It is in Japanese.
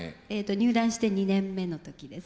入団して２年目の時です。